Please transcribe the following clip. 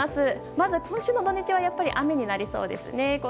まず今週の土日はやっぱり雨になりそうですね。